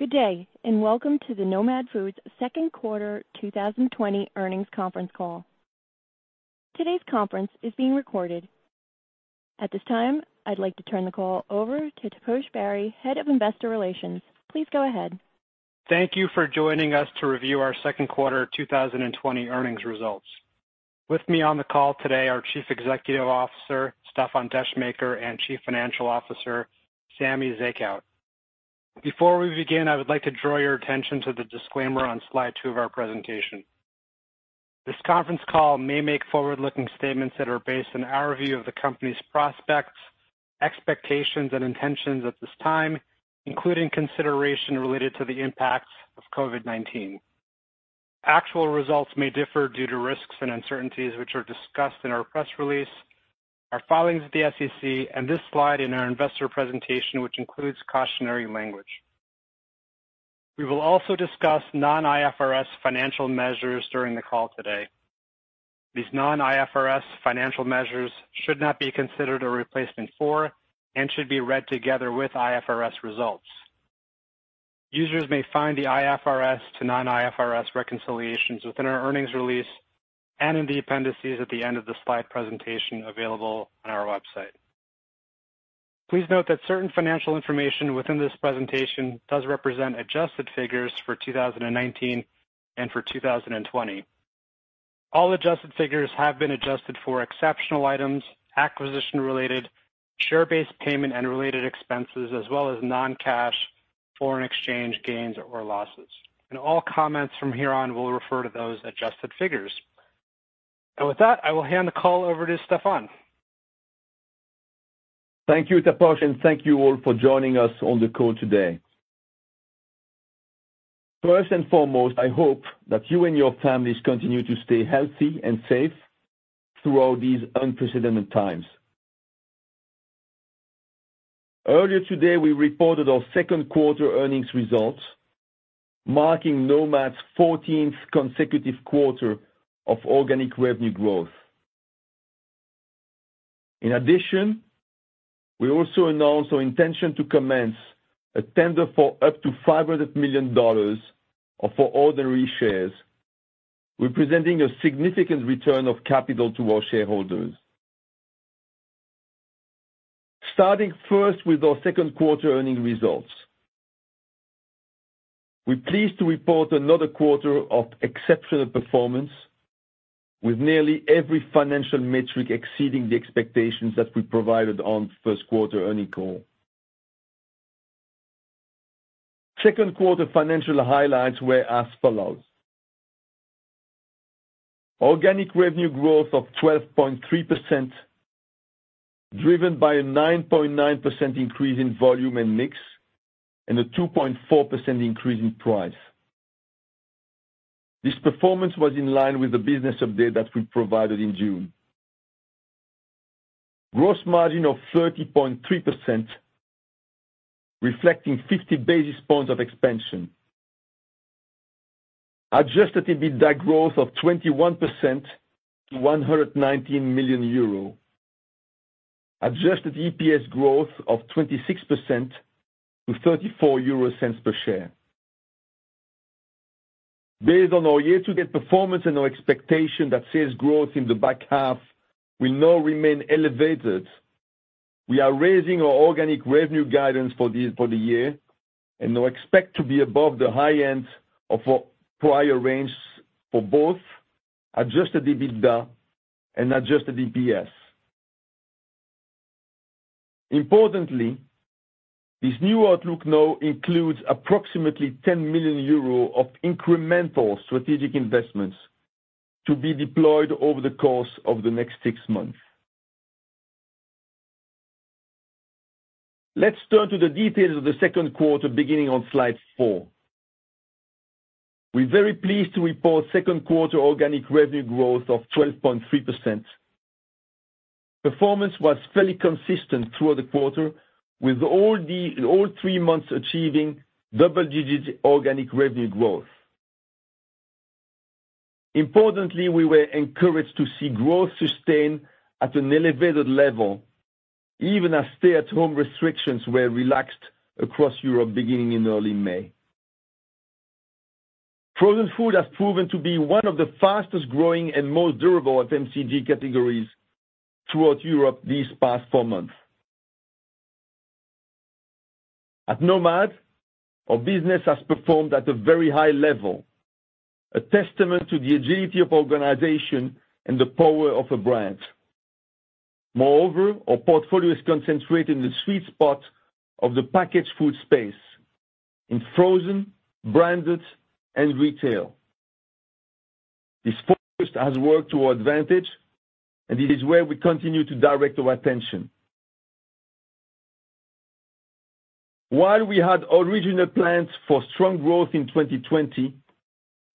Good day, welcome to the Nomad Foods second quarter 2020 earnings conference call. Today's conference is being recorded. At this time, I'd like to turn the call over to Taposh Bari, Head of Investor Relations. Please go ahead. Thank you for joining us to review our second quarter 2020 earnings results. With me on the call today are Chief Executive Officer, Stéfan Descheemaeker, and Chief Financial Officer, Samy Zekhout. Before we begin, I would like to draw your attention to the disclaimer on slide two of our presentation. This conference call may make forward-looking statements that are based on our view of the company's prospects, expectations, and intentions at this time, including consideration related to the impacts of COVID-19. Actual results may differ due to risks and uncertainties, which are discussed in our press release, our filings with the SEC, and this slide in our investor presentation, which includes cautionary language. We will also discuss non-IFRS financial measures during the call today. These non-IFRS financial measures should not be considered a replacement for, and should be read together with IFRS results. Users may find the IFRS to non-IFRS reconciliations within our earnings release and in the appendices at the end of the slide presentation available on our website. Please note that certain financial information within this presentation does represent adjusted figures for 2019 and for 2020. All adjusted figures have been adjusted for exceptional items, acquisition-related share-based payment and related expenses, as well as non-cash foreign exchange gains or losses. All comments from here on will refer to those adjusted figures. With that, I will hand the call over to Stéfan. Thank you, Taposh, and thank you all for joining us on the call today. First and foremost, I hope that you and your families continue to stay healthy and safe throughout these unprecedented times. Earlier today, we reported our second quarter earnings results, marking Nomad's 14th consecutive quarter of organic revenue growth. We also announced our intention to commence a tender for up to EUR 500 million for ordinary shares, representing a significant return of capital to our shareholders. Starting first with our second quarter earnings results. We're pleased to report another quarter of exceptional performance, with nearly every financial metric exceeding the expectations that we provided on first quarter earnings call. Second quarter financial highlights were as follows. Organic revenue growth of 12.3%, driven by a 9.9% increase in volume and mix, and a 2.4% increase in price. This performance was in line with the business update that we provided in June. Gross margin of 30.3%, reflecting 50 basis points of expansion. Adjusted EBITDA growth of 21% to 119 million euro. Adjusted EPS growth of 26% to 0.34 per share. Based on our year-to-date performance and our expectation that sales growth in the back half will now remain elevated, we are raising our organic revenue guidance for the year, and now expect to be above the high end of our prior range for both adjusted EBITDA and adjusted EPS. Importantly, this new outlook now includes approximately 10 million euro of incremental strategic investments to be deployed over the course of the next six months. Let's turn to the details of the second quarter, beginning on slide four. We're very pleased to report second quarter organic revenue growth of 12.3%. Performance was fairly consistent throughout the quarter, with all three months achieving double-digit organic revenue growth. Importantly, we were encouraged to see growth sustain at an elevated level, even as stay-at-home restrictions were relaxed across Europe beginning in early May. Frozen food has proven to be one of the fastest growing and most durable FMCG categories throughout Europe these past four months. At Nomad, our business has performed at a very high level, a testament to the agility of organization and the power of a brand. Moreover, our portfolio is concentrated in the sweet spot of the packaged food space in frozen, branded, and retail. This focus has worked to our advantage, and it is where we continue to direct our attention. While we had original plans for strong growth in 2020,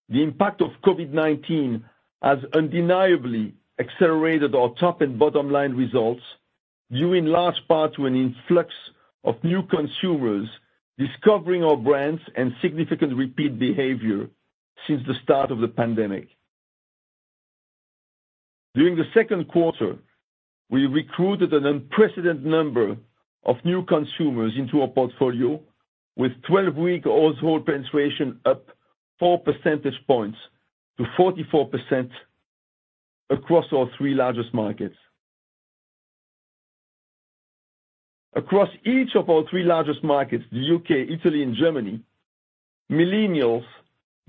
the impact of COVID-19 has undeniably accelerated our top and bottom line results, due in large part to an influx of new consumers discovering our brands and significant repeat behavior since the start of the pandemic. During the second quarter, we recruited an unprecedented number of new consumers into our portfolio, with 12-week household penetration up four percentage points to 44% across our three largest markets. Across each of our three largest markets, the U.K., Italy, and Germany, millennials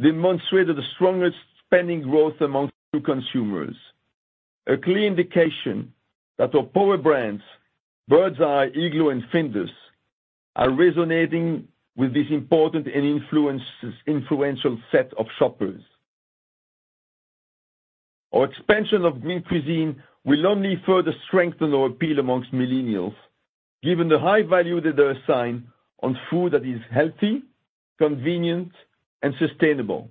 demonstrated the strongest spending growth amongst new consumers. A clear indication that our power brands, Birds Eye, Iglo, and Findus, are resonating with this important and influential set of shoppers. Our expansion of Green Cuisine will only further strengthen our appeal amongst millennials, given the high value that they assign on food that is healthy, convenient, and sustainable.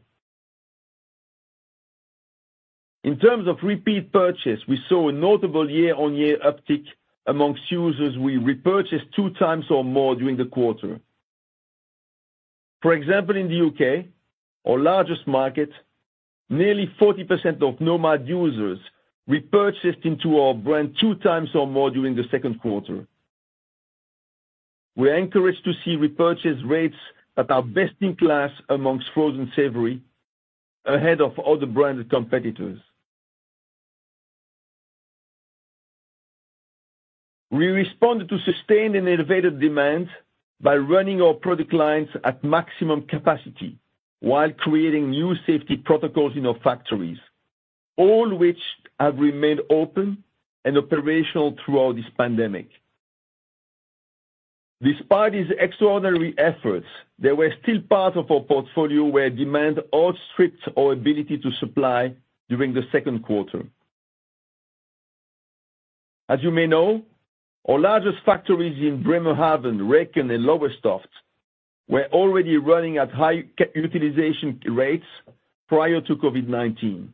In terms of repeat purchase, we saw a notable year-on-year uptick amongst users who repurchased two times or more during the quarter. For example, in the U.K., our largest market, nearly 40% of Nomad users repurchased into our brand two times or more during the second quarter. We're encouraged to see repurchase rates that are best in class amongst frozen savory, ahead of other branded competitors. We responded to sustained and elevated demand by running our product lines at maximum capacity while creating new safety protocols in our factories, all which have remained open and operational throughout this pandemic. Despite these extraordinary efforts, there were still parts of our portfolio where demand outstripped our ability to supply during the second quarter. As you may know, our largest factories in Bremerhaven, Reken, and Lowestoft were already running at high utilization rates prior to COVID-19.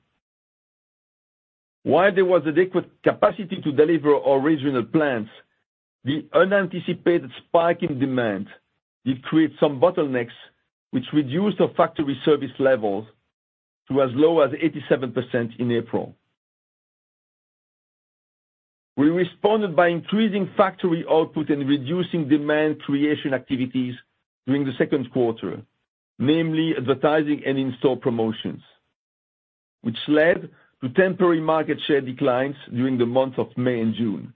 While there was adequate capacity to deliver our original plans, the unanticipated spike in demand did create some bottlenecks, which reduced our factory service levels to as low as 87% in April. We responded by increasing factory output and reducing demand creation activities during the second quarter, namely advertising and in-store promotions, which led to temporary market share declines during the months of May and June.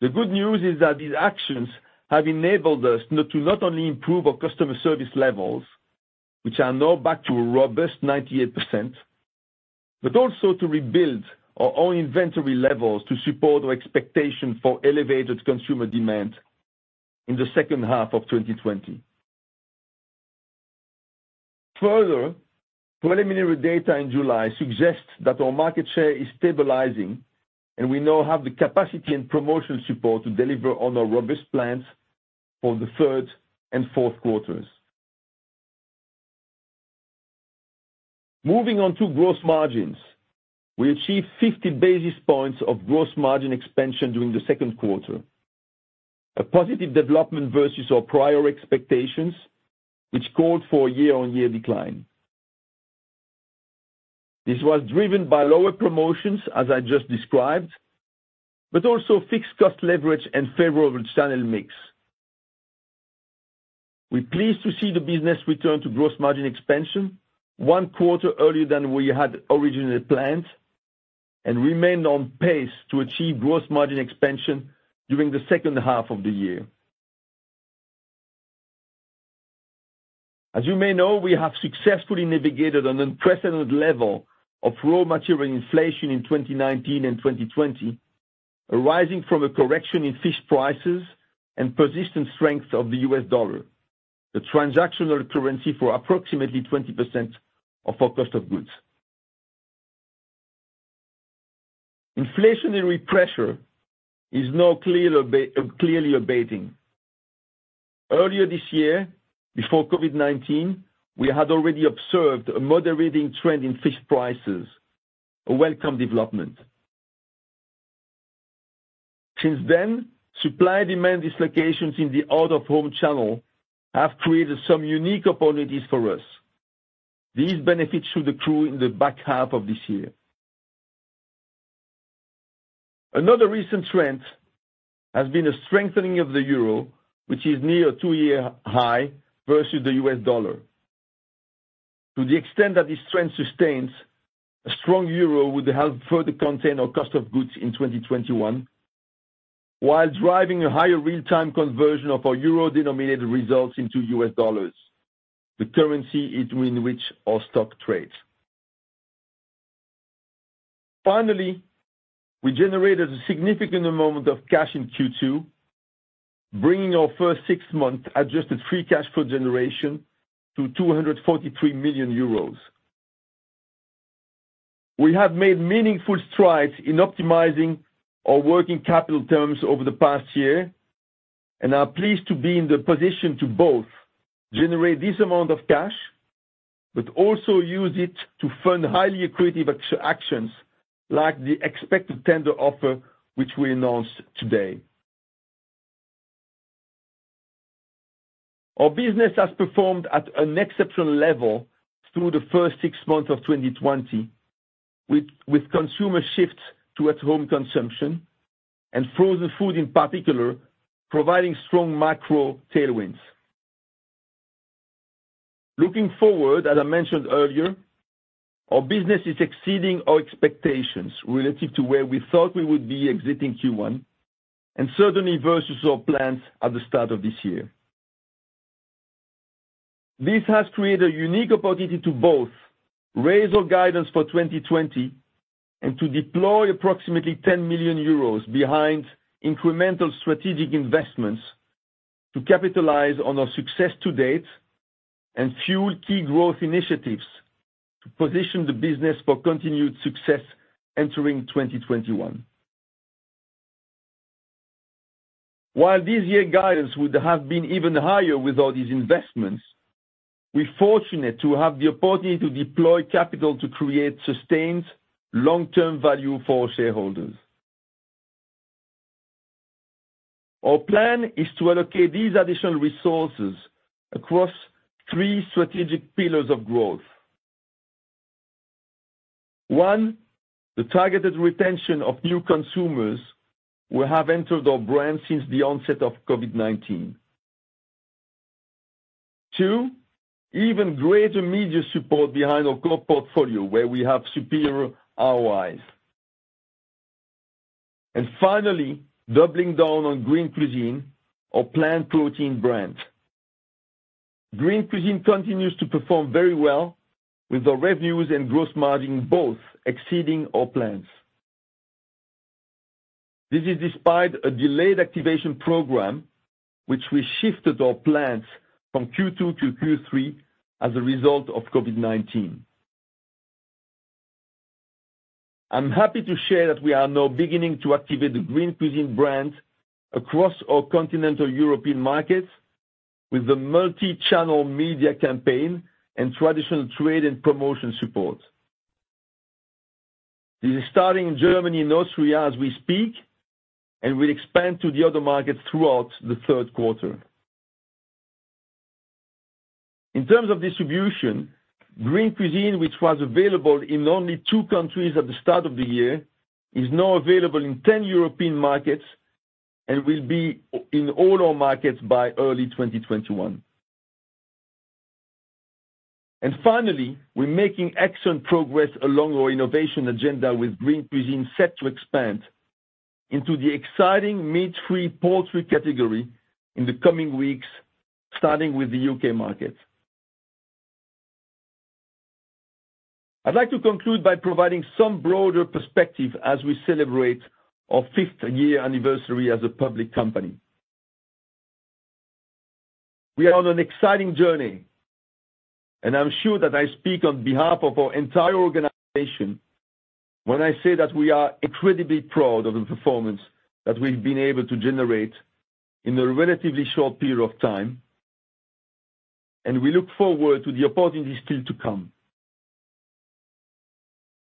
The good news is that these actions have enabled us to not only improve our customer service levels, which are now back to a robust 98%, but also to rebuild our own inventory levels to support our expectation for elevated consumer demand in the second half of 2020. Further, preliminary data in July suggests that our market share is stabilizing, and we now have the capacity and promotion support to deliver on our robust plans for the third and fourth quarters. Moving on to gross margins. We achieved 50 basis points of gross margin expansion during the second quarter, a positive development versus our prior expectations, which called for a year-on-year decline. Also fixed cost leverage and favorable channel mix. We're pleased to see the business return to gross margin expansion one quarter earlier than we had originally planned and remain on pace to achieve gross margin expansion during the second half of the year. As you may know, we have successfully navigated an unprecedented level of raw material inflation in 2019 and 2020, arising from a correction in fish prices and persistent strength of the U.S. dollar, the transactional currency for approximately 20% of our cost of goods. Inflationary pressure is now clearly abating. Earlier this year, before COVID-19, we had already observed a moderating trend in fish prices, a welcome development. Since then, supply-demand dislocations in the out-of-home channel have created some unique opportunities for us. These benefits should accrue in the back half of this year. Another recent trend has been a strengthening of the euro, which is near a two-year high versus the U.S. dollar. To the extent that this trend sustains, a strong euro would help further contain our cost of goods in 2021, while driving a higher real-time conversion of our euro-denominated results into U.S. dollars, the currency in which our stock trades. Finally, we generated a significant amount of cash in Q2, bringing our first six months adjusted free cash flow generation to 243 million euros. We have made meaningful strides in optimizing our working capital terms over the past year and are pleased to be in the position to both generate this amount of cash, but also use it to fund highly accretive actions like the expected tender offer, which we announced today. Our business has performed at an exceptional level through the first six months of 2020, with consumer shift to at-home consumption and frozen food in particular, providing strong macro tailwinds. Looking forward, as I mentioned earlier, our business is exceeding our expectations relative to where we thought we would be exiting Q1, and certainly versus our plans at the start of this year. This has created a unique opportunity to both raise our guidance for 2020 and to deploy approximately 10 million euros behind incremental strategic investments to capitalize on our success to date and fuel key growth initiatives to position the business for continued success entering 2021. While this year guidance would have been even higher with all these investments, we're fortunate to have the opportunity to deploy capital to create sustained long-term value for shareholders. Our plan is to allocate these additional resources across three strategic pillars of growth. One, the targeted retention of new consumers will have entered our brand since the onset of COVID-19. Two, even greater media support behind our core portfolio, where we have superior ROIs. Finally, doubling down on Green Cuisine, our plant protein brand. Green Cuisine continues to perform very well with our revenues and gross margin both exceeding our plans. This is despite a delayed activation program which we shifted our plans from Q2 to Q3 as a result of COVID-19. I'm happy to share that we are now beginning to activate the Green Cuisine brand across our continental European markets with the multi-channel media campaign and traditional trade and promotion support. This is starting in Germany and Austria as we speak and will expand to the other markets throughout the third quarter. In terms of distribution, Green Cuisine, which was available in only two countries at the start of the year, is now available in 10 European markets and will be in all our markets by early 2021. Finally, we're making excellent progress along our innovation agenda with Green Cuisine set to expand into the exciting meat-free poultry category in the coming weeks, starting with the U.K. market. I'd like to conclude by providing some broader perspective as we celebrate our fifth year anniversary as a public company. We are on an exciting journey, and I'm sure that I speak on behalf of our entire organization when I say that we are incredibly proud of the performance that we've been able to generate in a relatively short period of time, and we look forward to the opportunities still to come.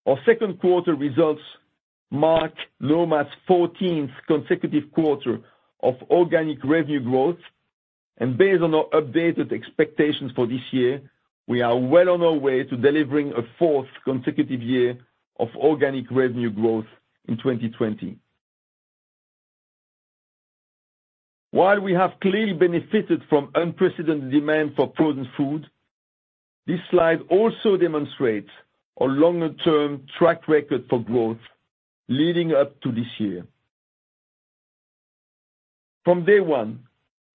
Our second quarter results mark Nomad's 14th consecutive quarter of organic revenue growth. Based on our updated expectations for this year, we are well on our way to delivering a fourth consecutive year of organic revenue growth in 2020. While we have clearly benefited from unprecedented demand for frozen food, this slide also demonstrates our longer term track record for growth leading up to this year. From day one,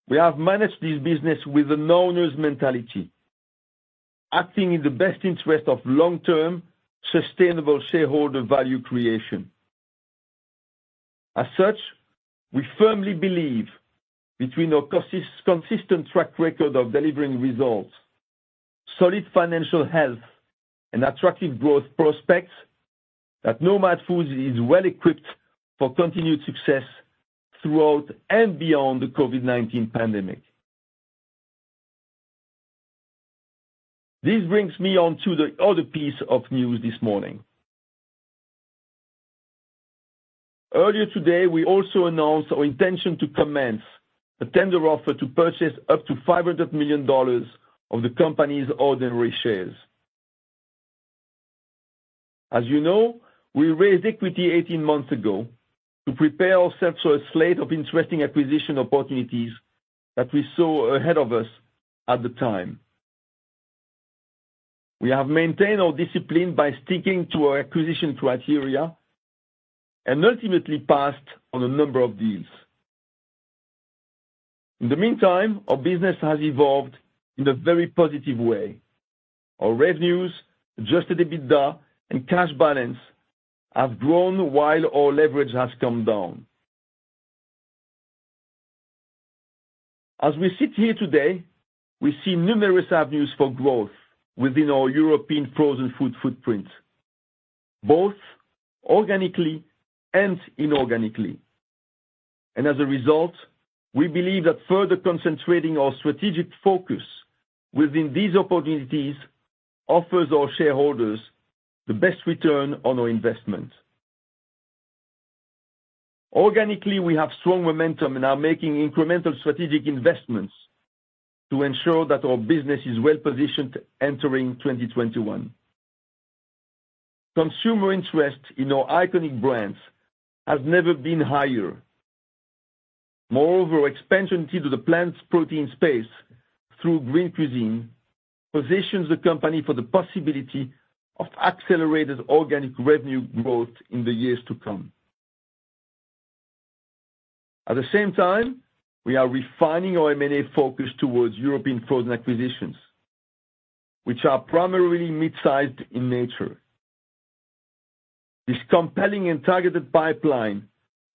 we have managed this business with an owner's mentality, acting in the best interest of long-term sustainable shareholder value creation. As such, we firmly believe between our consistent track record of delivering results, solid financial health, and attractive growth prospects, that Nomad Foods is well equipped for continued success throughout and beyond the COVID-19 pandemic. This brings me on to the other piece of news this morning. Earlier today, we also announced our intention to commence a tender offer to purchase up to EUR 500 million of the company's ordinary shares. As you know, we raised equity 18 months ago to prepare ourselves for a slate of interesting acquisition opportunities that we saw ahead of us at the time. We have maintained our discipline by sticking to our acquisition criteria and ultimately passed on a number of deals. In the meantime, our business has evolved in a very positive way. Our revenues, adjusted EBITDA, and cash balance have grown while our leverage has come down. As we sit here today, we see numerous avenues for growth within our European frozen food footprint, both organically and inorganically. As a result, we believe that further concentrating our strategic focus within these opportunities offers our shareholders the best return on our investment. Organically, we have strong momentum and are making incremental strategic investments to ensure that our business is well-positioned entering 2021. Consumer interest in our iconic brands has never been higher. Moreover, expansion into the plant protein space through Green Cuisine positions the company for the possibility of accelerated organic revenue growth in the years to come. At the same time, we are refining our M&A focus towards European frozen acquisitions, which are primarily mid-sized in nature. This compelling and targeted pipeline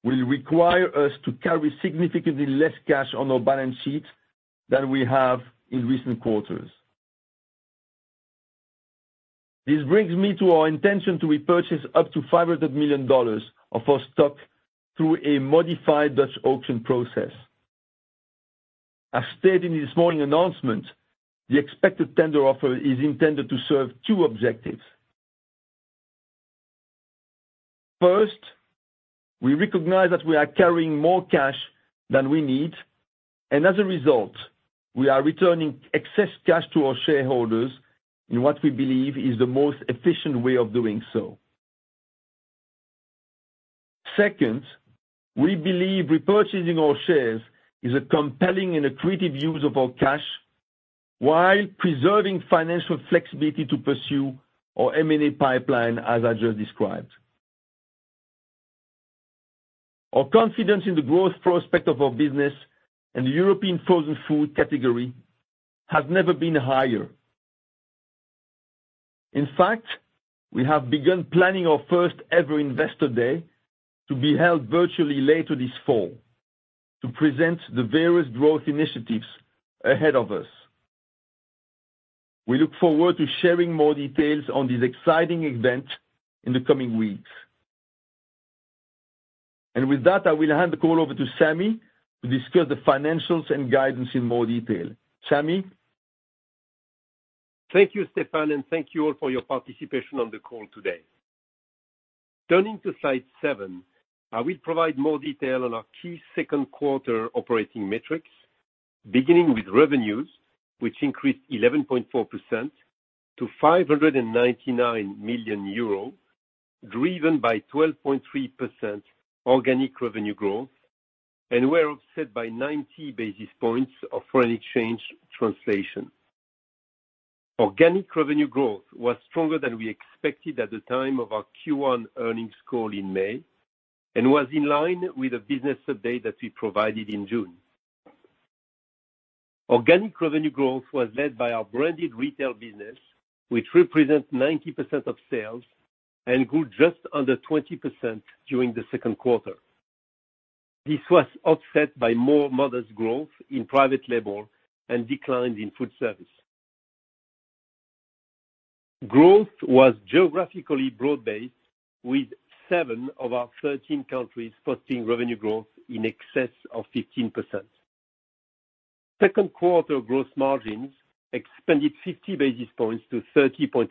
will require us to carry significantly less cash on our balance sheet than we have in recent quarters. This brings me to our intention to repurchase up to EUR 500 million of our stock through a modified Dutch auction process. As stated in this morning's announcement, the expected tender offer is intended to serve two objectives. First, we recognize that we are carrying more cash than we need, and as a result, we are returning excess cash to our shareholders in what we believe is the most efficient way of doing so. Second, we believe repurchasing our shares is a compelling and accretive use of our cash, while preserving financial flexibility to pursue our M&A pipeline as I just described. Our confidence in the growth prospect of our business and the European frozen food category has never been higher. In fact, we have begun planning our first ever investor day to be held virtually later this fall to present the various growth initiatives ahead of us. We look forward to sharing more details on this exciting event in the coming weeks. With that, I will hand the call over to Samy to discuss the financials and guidance in more detail. Samy? Thank you, Stéfan, and thank you all for your participation on the call today. Turning to slide seven, I will provide more detail on our key second quarter operating metrics, beginning with revenues, which increased 11.4% to 599 million euro, driven by 12.3% organic revenue growth, and were offset by 90 basis points of foreign exchange translation. Organic revenue growth was stronger than we expected at the time of our Q1 earnings call in May, and was in line with the business update that we provided in June. Organic revenue growth was led by our branded retail business, which represents 90% of sales and grew just under 20% during the second quarter. This was offset by more modest growth in private label and declines in food service. Growth was geographically broad-based, with seven of our 13 countries posting revenue growth in excess of 15%. Second quarter gross margins expanded 50 basis points to 30.3%.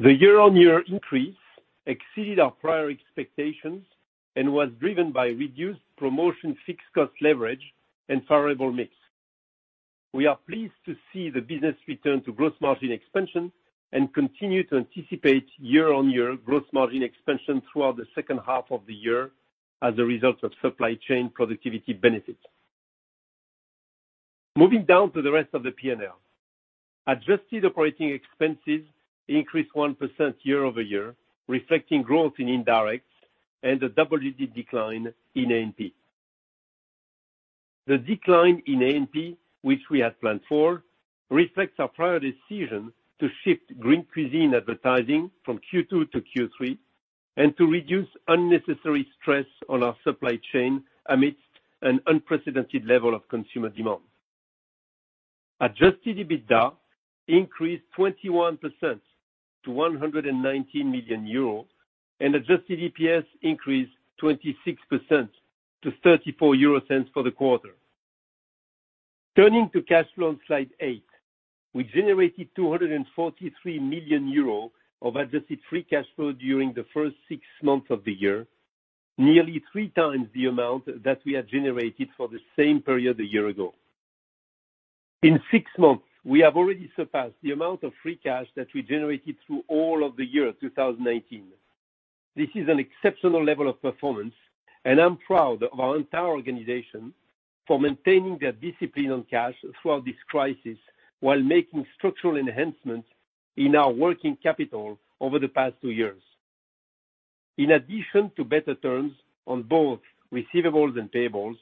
The year-on-year increase exceeded our prior expectations and was driven by reduced promotion, fixed cost leverage, and favorable mix. We are pleased to see the business return to gross margin expansion and continue to anticipate year-on-year gross margin expansion throughout the second half of the year as a result of supply chain productivity benefits. Moving down to the rest of the P&L. Adjusted operating expenses increased 1% year-over-year, reflecting growth in indirect and a double-digit decline in A&P. The decline in A&P, which we had planned for, reflects our prior decision to shift Green Cuisine advertising from Q2 to Q3 and to reduce unnecessary stress on our supply chain amidst an unprecedented level of consumer demand. Adjusted EBITDA increased 21% to 119 million euros and adjusted EPS increased 26% to 0.34 for the quarter. Turning to cash flow on slide eight. We generated 243 million euro of adjusted free cash flow during the first six months of the year, nearly three times the amount that we had generated for the same period a year ago. In six months, we have already surpassed the amount of free cash that we generated through all of the year 2019. This is an exceptional level of performance, and I'm proud of our entire organization for maintaining their discipline on cash throughout this crisis, while making structural enhancements in our working capital over the past two years. In addition to better terms on both receivables and payables,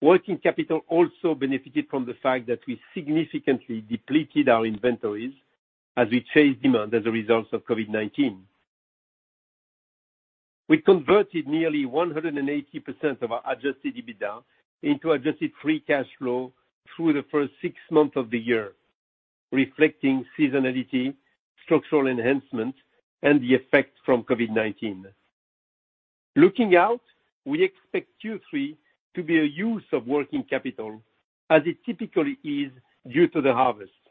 working capital also benefited from the fact that we significantly depleted our inventories as we chased demand as a result of COVID-19. We converted nearly 180% of our adjusted EBITDA into adjusted free cash flow through the first six months of the year, reflecting seasonality, structural enhancements, and the effect from COVID-19. Looking out, we expect Q3 to be a use of working capital as it typically is due to the harvest.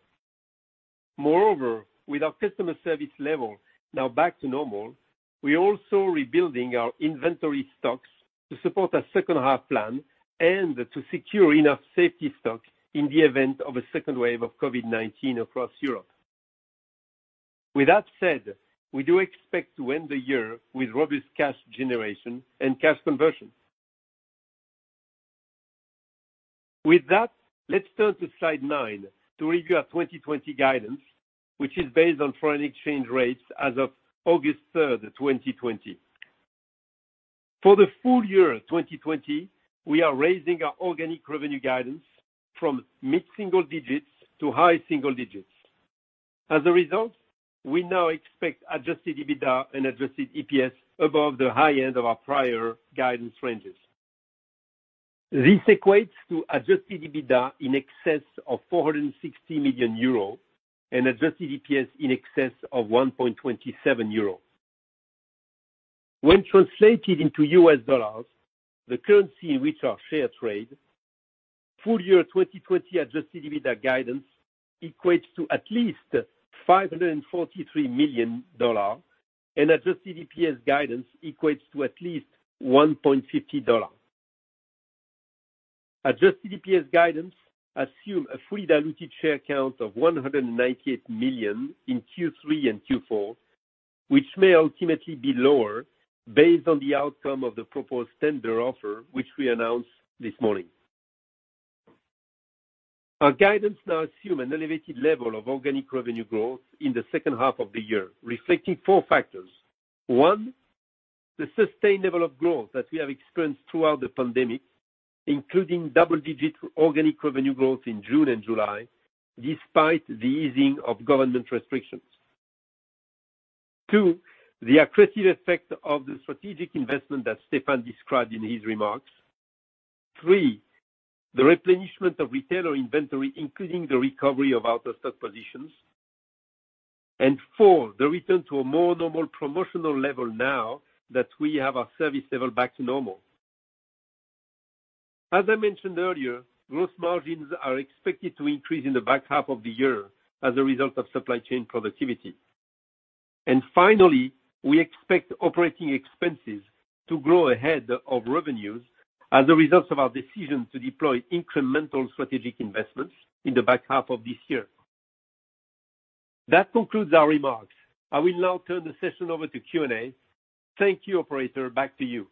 Moreover, with our customer service level now back to normal, we're also rebuilding our inventory stocks to support our second half plan and to secure enough safety stock in the event of a second wave of COVID-19 across Europe. With that said, we do expect to end the year with robust cash generation and cash conversion. With that, let's turn to slide nine to review our 2020 guidance, which is based on foreign exchange rates as of August 3rd, 2020. For the full year 2020, we are raising our organic revenue guidance from mid-single digits to high single digits. As a result, we now expect Adjusted EBITDA and adjusted EPS above the high end of our prior guidance ranges. This equates to adjusted EBITDA in excess of 460 million euro and adjusted EPS in excess of 1.27 euro. When translated into US dollars, the currency in which our share trade, full year 2020 adjusted EBITDA guidance equates to at least $543 million, and adjusted EPS guidance equates to at least $1.50. Adjusted EPS guidance assume a fully diluted share count of 198 million in Q3 and Q4, which may ultimately be lower based on the outcome of the proposed tender offer, which we announced this morning. Our guidance now assume an elevated level of organic revenue growth in the second half of the year, reflecting four factors. One, the sustainability of growth that we have experienced throughout the pandemic, including double-digit organic revenue growth in June and July, despite the easing of government restrictions. Two, the accretive effect of the strategic investment that Stéfan described in his remarks. Three, the replenishment of retailer inventory, including the recovery of out-of-stock positions. Four, the return to a more normal promotional level now that we have our service level back to normal. As I mentioned earlier, gross margins are expected to increase in the back half of the year as a result of supply chain productivity. Finally, we expect operating expenses to grow ahead of revenues as a result of our decision to deploy incremental strategic investments in the back half of this year. That concludes our remarks. I will now turn the session over to Q&A. Thank you, operator. Back to you.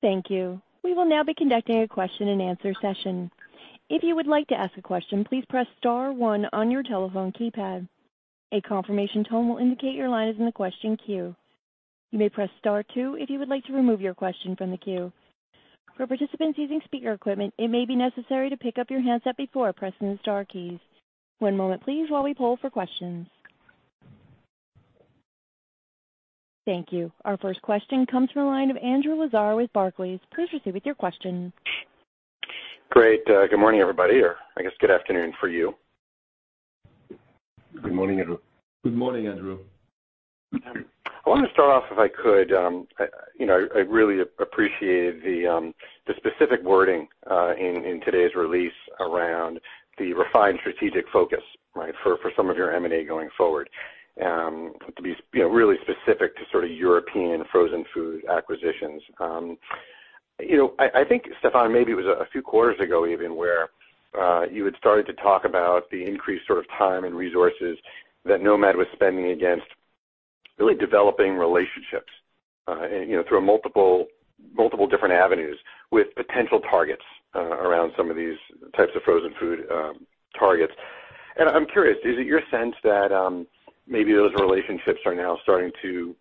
Thank you. We will now be conducting a question and answer session. If you would like to ask a question, please press star one on your telephone keypad. A confirmation tone will indicate your line is in the question queue. You may press star two if you would like to remove your question from the queue. For participants using speaker equipment, it may be necessary to pick up your handset before pressing the star keys. One moment please while we poll for questions. Thank you. Our first question comes from the line of Andrew Lazar with Barclays. Please proceed with your question. Great. Good morning, everybody, or I guess good afternoon for you. Good morning, Andrew. Good morning, Andrew. I want to start off if I could, I really appreciated the specific wording in today's release around the refined strategic focus, right? For some of your M&A going forward, to be really specific to sort of European frozen food acquisitions. I think, Stéfan, maybe it was a few quarters ago even where you had started to talk about the increased sort of time and resources that Nomad was spending against really developing relationships, through multiple different avenues with potential targets around some of these types of frozen food targets. I'm curious, is it your sense that maybe those relationships are now starting to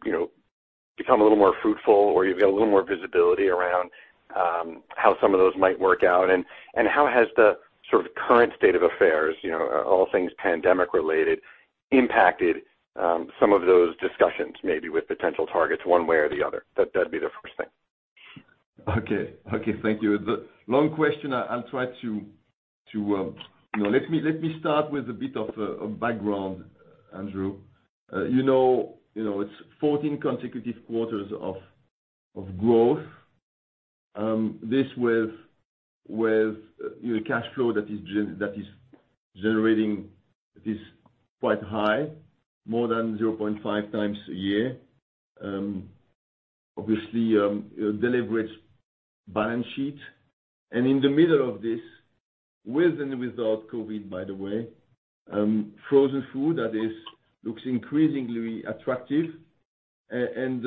become a little more fruitful, or you've got a little more visibility around how some of those might work out? How has the sort of current state of affairs, all things pandemic related, impacted some of those discussions, maybe with potential targets one way or the other? That would be the first thing. Okay, thank you. Long question. Let me start with a bit of background, Andrew. It's 14 consecutive quarters of growth. This with cash flow that is generating, it is quite high, more than 0.5x a year. Obviously, a deliberate balance sheet. In the middle of this, with and without COVID, by the way, frozen food that looks increasingly attractive. We're in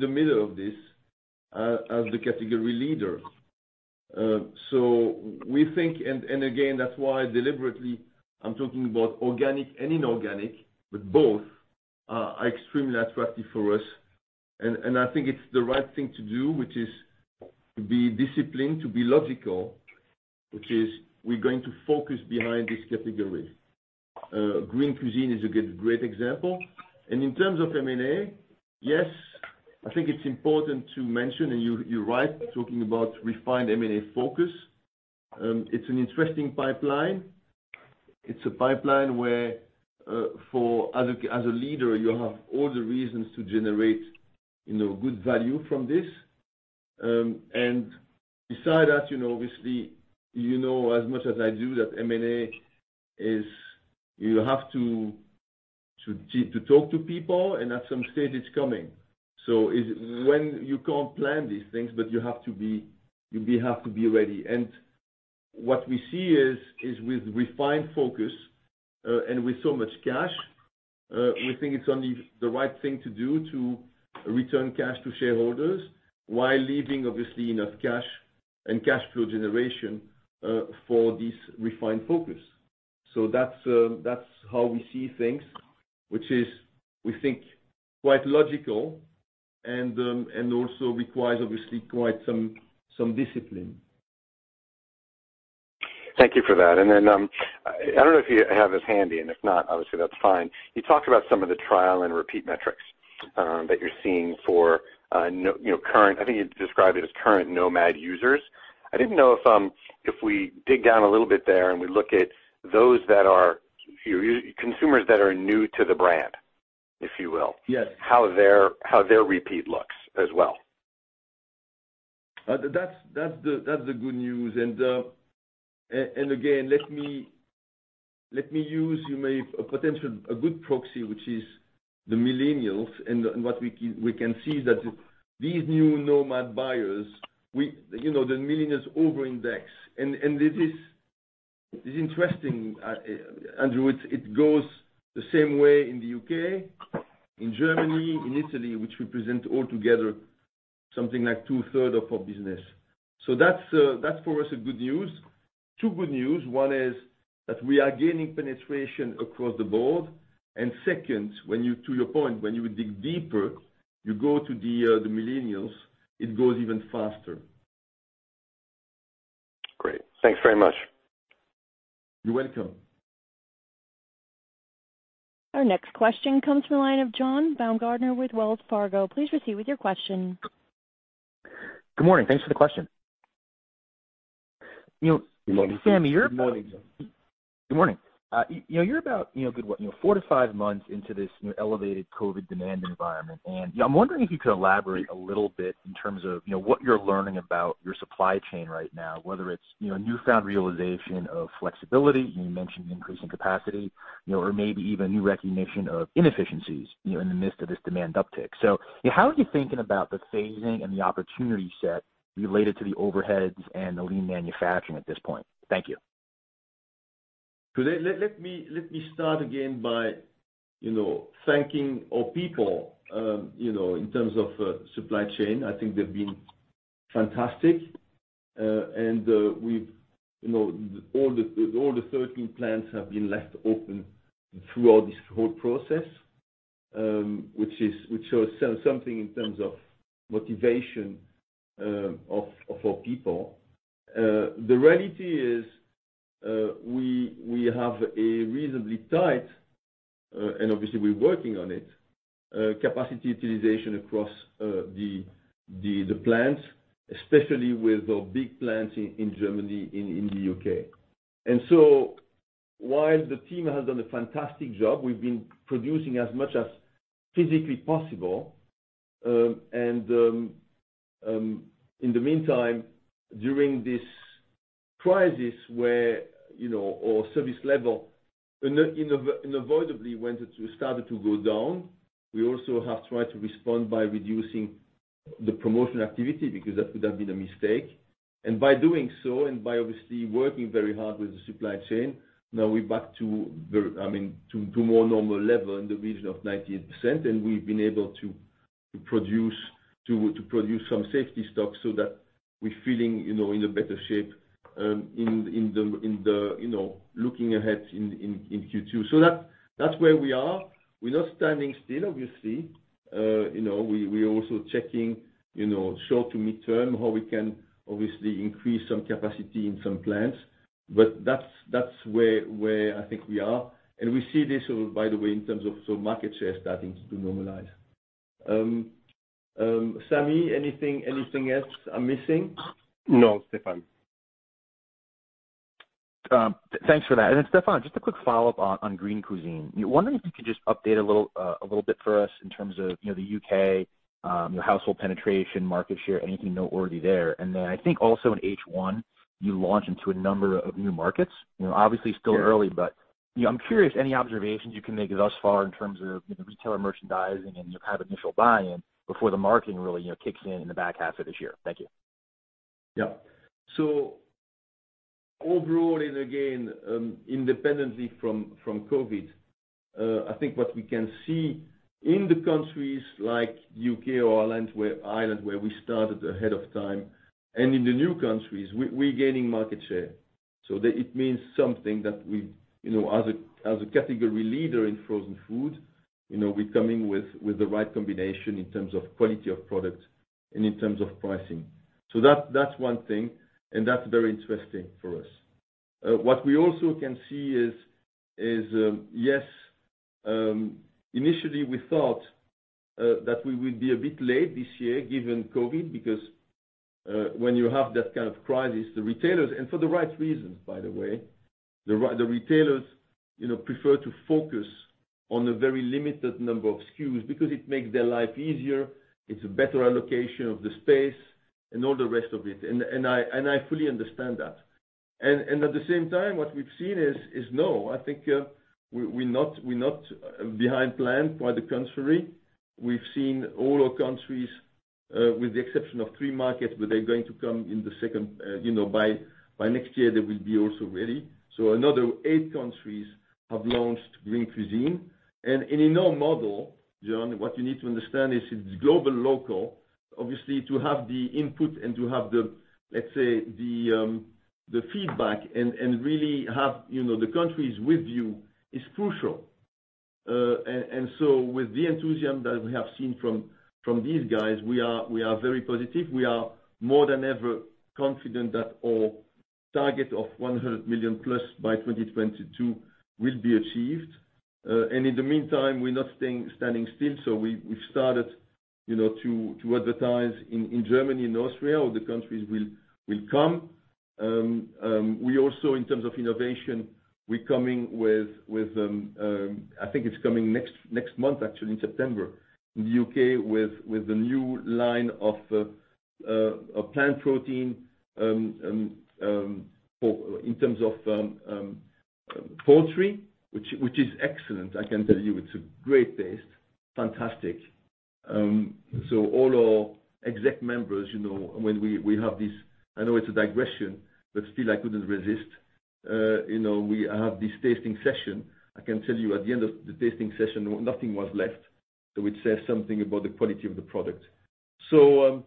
the middle of this as the category leader. We think, and again, that's why deliberately I'm talking about organic and inorganic, but both are extremely attractive for us. I think it's the right thing to do, which is to be disciplined, to be logical, which is we're going to focus behind this category. Green Cuisine is a great example. In terms of M&A, yes, I think it's important to mention, and you're right, talking about refined M&A focus. It's an interesting pipeline. It's a pipeline where as a leader, you have all the reasons to generate good value from this. Beside that, obviously, you know as much as I do that M&A is you have to talk to people, and at some stage it's coming. You can't plan these things, but you have to be ready. What we see is with refined focus, and with so much cash, we think it's only the right thing to do to return cash to shareholders while leaving, obviously, enough cash and cash flow generation for this refined focus. That's how we see things, which is, we think, quite logical and also requires obviously quite some discipline. Thank you for that. I don't know if you have this handy, and if not, obviously that's fine. You talked about some of the trial and repeat metrics that you're seeing for current, I think you described it as current Nomad users. I didn't know if we dig down a little bit there, and we look at consumers that are new to the brand, if you will. Yes. How their repeat looks as well. That's the good news. Again, let me use a good proxy, which is the millennials, and what we can see is that these new Nomad buyers, the millennials over-index. It is interesting, Andrew. It goes the same way in the U.K., in Germany, in Italy, which represent all together something like 2/3 of our business. That's for us a good news. Two good news. One is that we are gaining penetration across the board, and second, to your point, when you dig deeper, you go to the millennials, it goes even faster. Great. Thanks very much. You're welcome. Our next question comes from the line of John Baumgartner with Wells Fargo. Please proceed with your question. Good morning. Thanks for the question. Good morning. Samy, Good morning, John. Good morning. You're about four to five months into this elevated COVID demand environment, and I'm wondering if you could elaborate a little bit in terms of what you're learning about your supply chain right now, whether it's newfound realization of flexibility, you mentioned increasing capacity, or maybe even new recognition of inefficiencies in the midst of this demand uptick. How are you thinking about the phasing and the opportunity set related to the overheads and the lean manufacturing at this point? Thank you. Let me start again by thanking our people in terms of supply chain. I think they've been fantastic. All the 13 plants have been left open throughout this whole process, which shows something in terms of motivation of our people. The reality is we have a reasonably tight, and obviously we're working on it, capacity utilization across the plants, especially with our big plants in Germany, in the U.K. While the team has done a fantastic job, we've been producing as much as physically possible. In the meantime, during this crisis where our service level inevitably started to go down, we also have tried to respond by reducing the promotional activity, because that would have been a mistake. By doing so, and by obviously working very hard with the supply chain, now we're back to more normal level in the region of 98%, and we've been able to produce some safety stock so that we're feeling in a better shape looking ahead in Q2. That's where we are. We're not standing still, obviously. We're also checking short to midterm how we can obviously increase some capacity in some plants. That's where I think we are. We see this, by the way, in terms of some market share starting to normalize. Samy, anything else I'm missing? No, Stéfan. Thanks for that. Then Stéfan, just a quick follow-up on Green Cuisine. Wondering if you could just update a little bit for us in terms of the U.K., household penetration, market share, anything noteworthy there. Then I think also in H1, you launched into a number of new markets. Obviously still early, I'm curious any observations you can make thus far in terms of retailer merchandising and kind of initial buy-in before the marketing really kicks in the back half of this year. Thank you. Overall and again, independently from COVID-19, I think what we can see in the countries like U.K. or Ireland, where we started ahead of time, and in the new countries, we're gaining market share. It means something that we, as a category leader in frozen food, we're coming with the right combination in terms of quality of product and in terms of pricing. That's one thing, and that's very interesting for us. What we also can see is, yes, initially we thought that we will be a bit late this year given COVID-19, because when you have that kind of crisis, the retailers, and for the right reasons, by the way. The retailers prefer to focus on a very limited number of SKUs because it makes their life easier, it's a better allocation of the space, and all the rest of it. I fully understand that. At the same time, what we've seen is, no, I think we're not behind plan. Quite the contrary, we've seen all our countries, with the exception of three markets, by next year, they will be also ready. Another eight countries have launched Green Cuisine. In our model, John, what you need to understand is it's global/local, obviously, to have the input and to have the feedback and really have the countries with you is crucial. With the enthusiasm that we have seen from these guys, we are very positive. We are more than ever confident that our target of 100 million plus by 2022 will be achieved. In the meantime, we're not standing still. We've started to advertise in Germany and Austria. Other countries will come. In terms of innovation, we're coming with, I think it's coming next month actually, in September, in the U.K., with a new line of plant protein, in terms of poultry, which is excellent, I can tell you. It's a great taste, fantastic. All our exec members, when we have this, I know it's a digression, but still I couldn't resist. We have this tasting session,I can tell you at the end of the tasting session, nothing was left. It says something about the quality of the product, so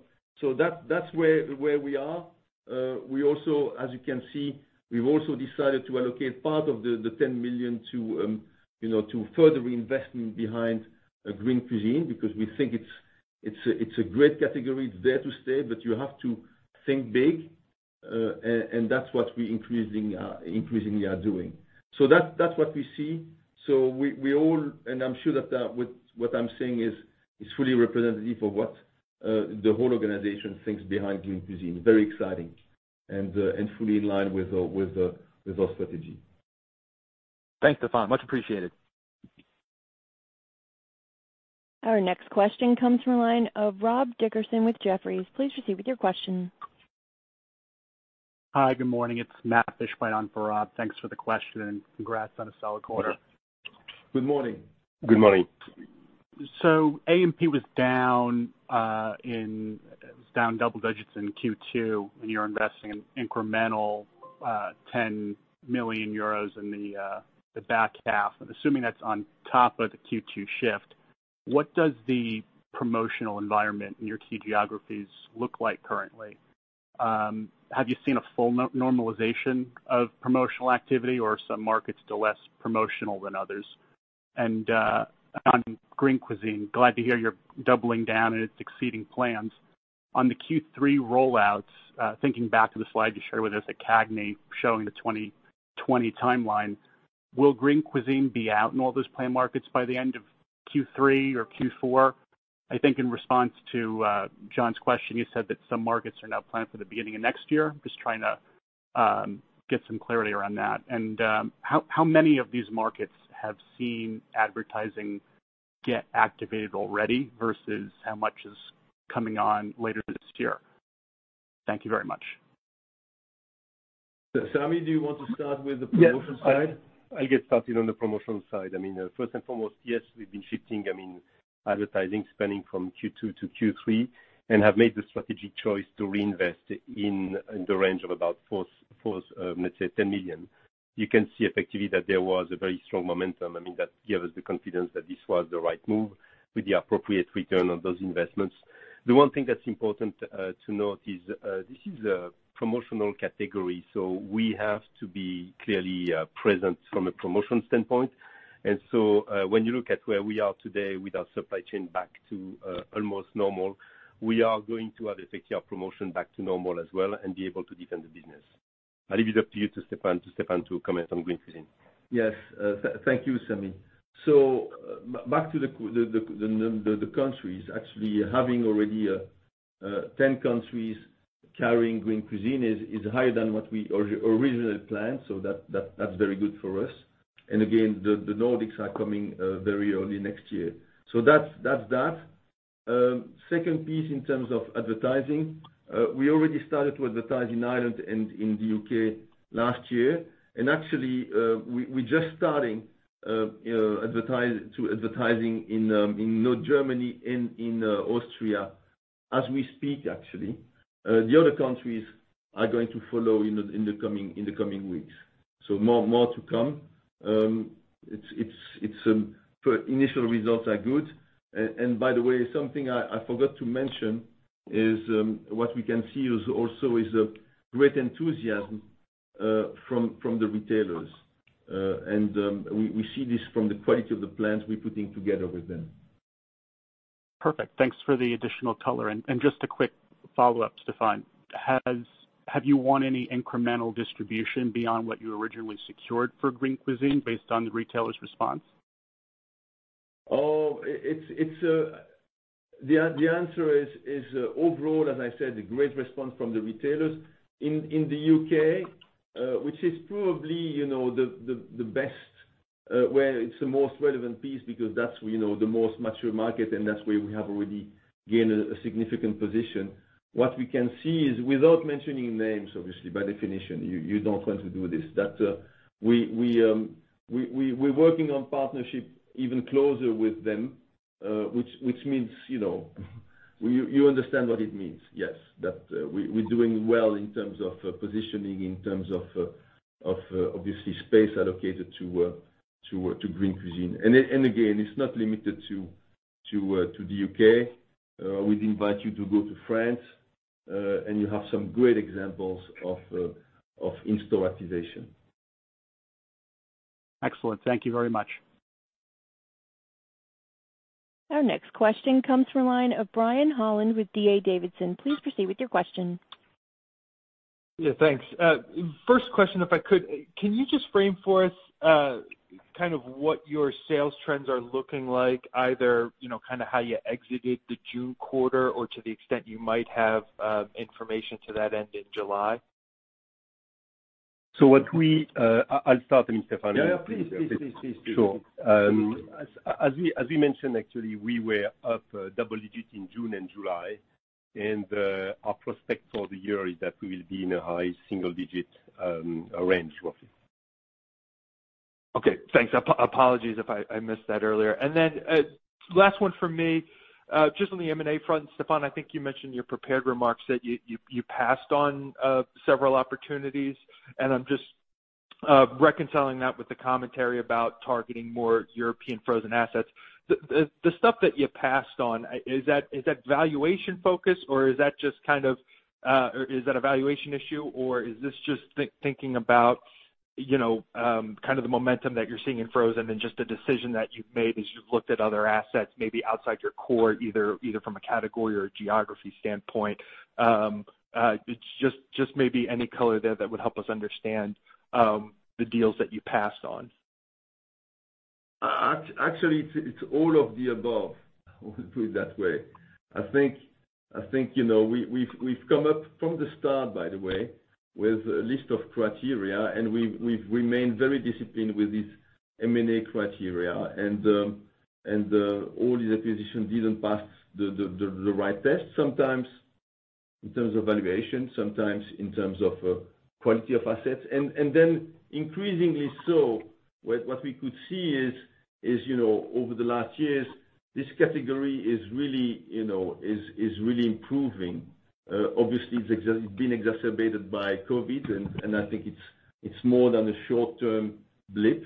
that's where we are. As you can see, we've also decided to allocate part of the 10 million to further reinvestment behind Green Cuisine, because we think it's a great category. It's there to stay, but you have to think big, and that's what we increasingly are doing. That's what we see. We all, and I'm sure that what I'm saying is fully representative of what the whole organization thinks behind Green Cuisine, very exciting and fully in line with our strategy. Thanks, Stéfan. Much appreciated. Our next question comes from the line of Rob Dickerson with Jefferies. Please proceed with your question. Hi, good morning. It's Matthew Fishbein on for Rob. Thanks for the question, congrats on a solid quarter. Good morning. Good morning. A&P was down double digits in Q2, and you're investing an incremental 10 million euros in the back half. I'm assuming that's on top of the Q2 shift. What does the promotional environment in your key geographies look like currently? Have you seen a full normalization of promotional activity or are some markets still less promotional than others? On Green Cuisine, glad to hear you're doubling down and it's exceeding plans. On the Q3 rollouts, thinking back to the slide you shared with us at CAGNY showing the 2020 timeline, will Green Cuisine be out in all those planned markets by the end of Q3 or Q4? I think in response to John's question, you said that some markets are now planned for the beginning of next year. Just trying to get some clarity around that. How many of these markets have seen advertising get activated already versus how much is coming on later this year? Thank you very much. Samy, do you want to start with the promotional side? Yes. I'll get started on the promotional side. First and foremost, yes, we've been shifting advertising spending from Q2 to Q3 and have made the strategic choice to reinvest in the range of about four, let's say, 10 million. You can see effectively that there was a very strong momentum. That gave us the confidence that this was the right move with the appropriate return on those investments. The one thing that's important to note is this is a promotional category, so we have to be clearly present from a promotion standpoint. When you look at where we are today with our supply chain back to almost normal, we are going to have effectively our promotion back to normal as well and be able to defend the business. I leave it up to you, Stéfan, to comment on Green Cuisine. Thank you, Samy. Back to the countries, actually having already 10 countries carrying Green Cuisine is higher than what we originally planned, that's very good for us. Again, the Nordics are coming very early next year. That's that. Second piece in terms of advertising, we already started to advertise in Ireland and in the U.K. last year, and actually, we're just starting to advertise in North Germany and in Austria as we speak, actually. The other countries are going to follow in the coming weeks so more to come. Initial results are good, by the way, something I forgot to mention is what we can see also is a great enthusiasm from the retailers. We see this from the quality of the plans we're putting together with them. Perfect. Thanks for the additional color. Just a quick follow-up, Stéfan. Have you won any incremental distribution beyond what you originally secured for Green Cuisine based on the retailers' response? The answer is overall, as I said, a great response from the retailers in the U.K., which is probably the best, where it's the most relevant piece because that's the most mature market, and that's where we have already gained a significant position. What we can see is, without mentioning names, obviously, by definition, you don't want to do this, that we're working on partnership even closer with them, which means you understand what it means, yes. We're doing well in terms of positioning, in terms of obviously space allocated to Green Cuisine. Again, it's not limited to the U.K. We'd invite you to go to France, and you have some great examples of in-store activation. Excellent. Thank you very much. Our next question comes from the line of Brian Holland with D.A. Davidson. Please proceed with your question. Yeah, thanks. First question, if I could, can you just frame for us what your sales trends are looking like, either how you exited the June quarter or to the extent you might have information to that end in July? I'll start then, Stéfan. Yeah please. Sure. As we mentioned, actually, we were up double digit in June and July, and our prospects for the year is that we will be in a high single digit range, roughly. Okay, thanks. Apologies if I missed that earlier. Last one from me, just on the M&A front, Stéfan, I think you mentioned in your prepared remarks that you passed on several opportunities, and I'm just reconciling that with the commentary about targeting more European frozen assets. The stuff that you passed on, is that valuation focused, or is that a valuation issue? Is this just thinking about the momentum that you're seeing in frozen and just a decision that you've made as you've looked at other assets, maybe outside your core, either from a category or a geography standpoint? Just maybe any color there that would help us understand the deals that you passed on. Actually, it's all of the above. I'll put it that way. I think we've come up from the start, by the way, with a list of criteria, and we've remained very disciplined with this M&A criteria. All the acquisitions didn't pass the right test, sometimes in terms of valuation, sometimes in terms of quality of assets. Increasingly so, what we could see is, over the last years, this category is really improving. Obviously, it's been exacerbated by COVID-19, and I think it's more than a short-term blip,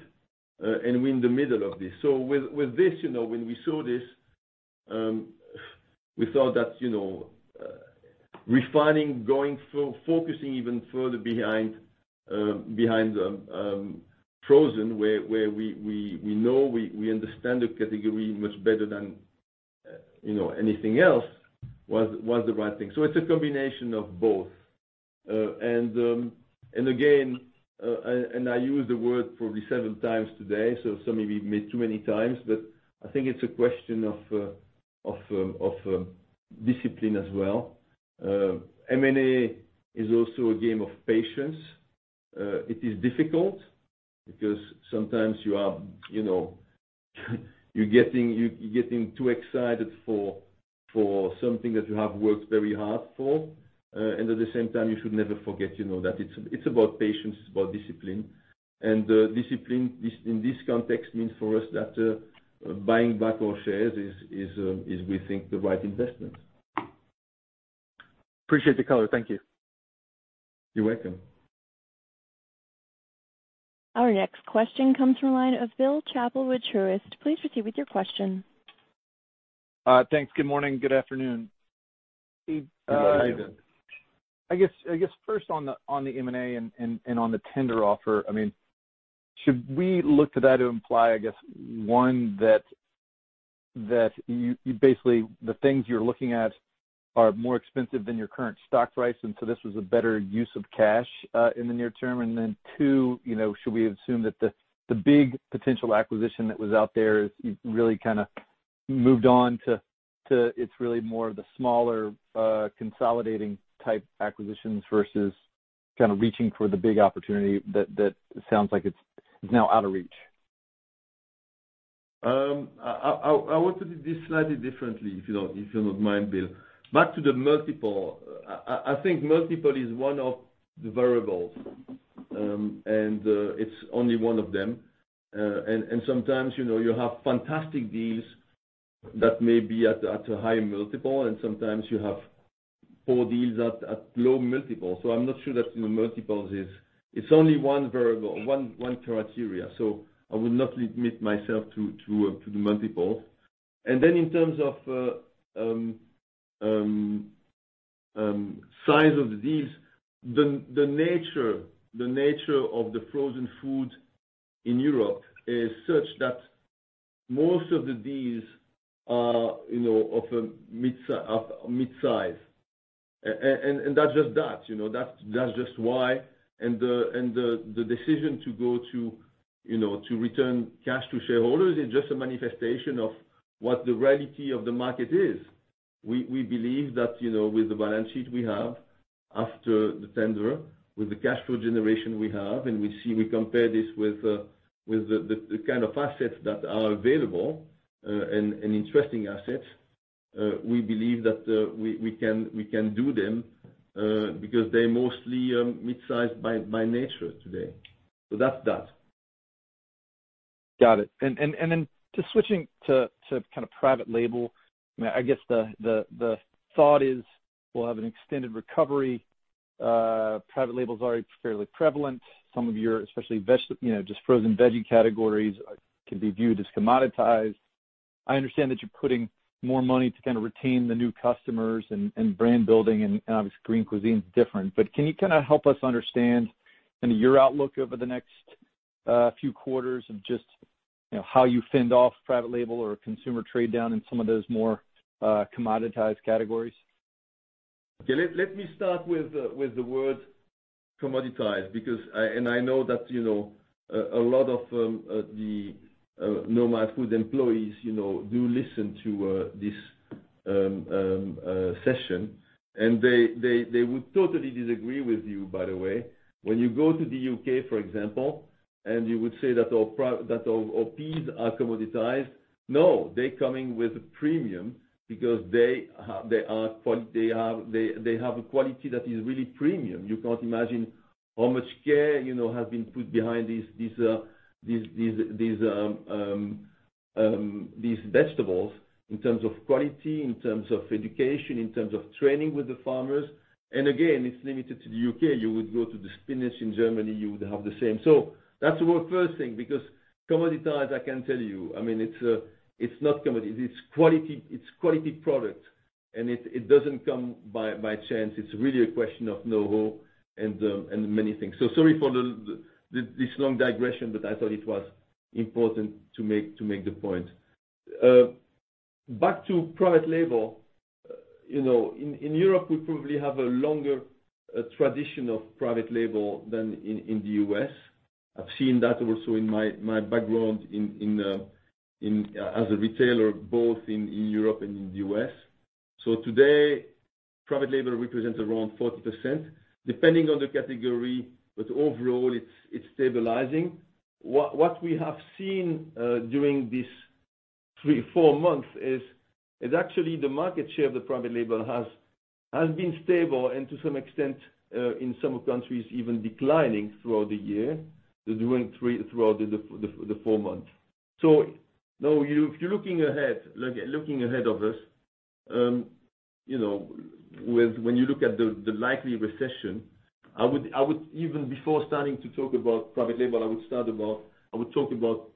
and we're in the middle of this. With this, when we saw this, we thought that refining, going, focusing even further behind frozen, where we know, we understand the category much better than anything else, was the right thing. It's a combination of both. I used the word probably seven times today, so maybe too many times, but I think it's a question of discipline as well. M&A is also a game of patience. It is difficult because sometimes you're getting too excited for something that you have worked very hard for, and at the same time, you should never forget that it's about patience, it's about discipline. Discipline in this context means for us that buying back our shares is, we think, the right investment. Appreciate the color. Thank you. You're welcome. Our next question comes from the line of Bill Chappell with Truist. Please proceed with your question. Thanks, good morning, good afternoon. Good evening. I guess first on the M&A and on the tender offer, should we look to that to imply, I guess, one, that basically the things you're looking at are more expensive than your current stock price, so this was a better use of cash in the near term? Then two, should we assume that the big potential acquisition that was out there is really kind of moved on to it's really more of the smaller consolidating type acquisitions versus kind of reaching for the big opportunity that sounds like it's now out of reach? I want to do this slightly differently, if you don't mind, Bill. Back to the multiple. I think multiple is one of the variables, and it's only one of them. Sometimes, you have fantastic deals that may be at a high multiple, and sometimes you have poor deals at low multiple. I'm not sure that multiples. It's only one variable, one criteria. I would not limit myself to the multiple. Then in terms of size of the deals, the nature of the frozen food in Europe is such that most of the deals are mid-size, and that's just that, that's just why. The decision to go to return cash to shareholders is just a manifestation of what the reality of the market is. We believe that, with the balance sheet we have, after the tender, with the cash flow generation we have, and we compare this with the kind of assets that are available, and interesting assets, we believe that we can do them, because they're mostly mid-sized by nature today. That's that. Got it. Just switching to private label, I guess the thought is we'll have an extended recovery. Private label is already fairly prevalent. Some of your, especially just frozen veggie categories can be viewed as commoditized. I understand that you're putting more money to retain the new customers and brand building, and obviously Green Cuisine is different. Can you help us understand your outlook over the next few quarters of just how you fend off private label or consumer trade-down in some of those more commoditized categories? Okay. Let me start with the word commoditized. I know that a lot of the Nomad Foods employees do listen to this session, and they would totally disagree with you, by the way. When you go to the U.K., for example, you would say that our peas are commoditized. No, they're coming with a premium because they have a quality that is really premium. You can't imagine how much care has been put behind these vegetables in terms of quality, in terms of education, in terms of training with the farmers. Again, it's limited to the U.K. You would go to the spinach in Germany, you would have the same. That's the first thing, because commoditized, I can tell you, it's not commodity, it's quality product, and it doesn't come by chance. It's really a question of know-how and many things. Sorry for this long digression, but I thought it was important to make the point. Back to private label. In Europe, we probably have a longer tradition of private label than in the U.S. I've seen that also in my background as a retailer, both in Europe and in the U.S. Today, private label represents around 40%, depending on the category. Overall, it's stabilizing. What we have seen during these three, four months is actually the market share of the private label has been stable, and to some extent, in some countries, even declining throughout the year, throughout the four months. If you're looking ahead of us, when you look at the likely recession, even before starting to talk about private label, I would talk about,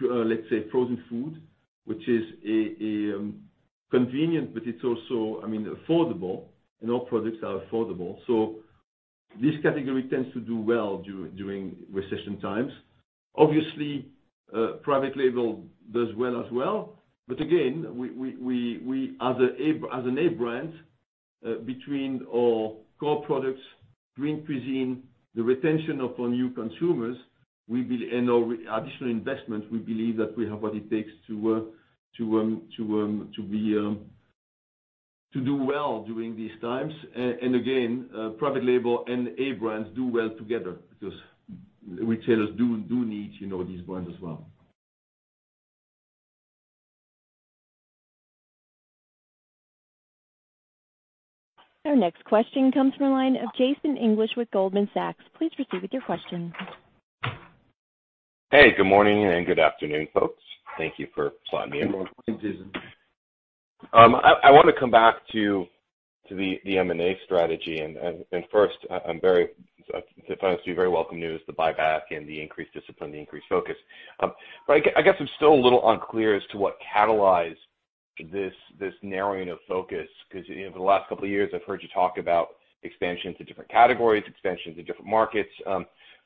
let's say, frozen food, which is convenient, but it's also affordable, and our products are affordable. This category tends to do well during recession times. Obviously, private label does well as well. Again, as an A brand, between our core products, Green Cuisine, the retention of our new consumers, and our additional investment, we believe that we have what it takes to do well during these times. Again, private label and A brands do well together because retailers do need these brands as well. Our next question comes from the line of Jason English with Goldman Sachs. Please proceed with your question. Hey, good morning, and good afternoon, folks. Thank you for slotting me in. Good morning, Jason. I want to come back to the M&A strategy. First, to be very welcome news, the buyback and the increased discipline, the increased focus. I guess I'm still a little unclear as to what catalyzed this narrowing of focus, because for the last couple of years, I've heard you talk about expansion to different categories, expansion to different markets.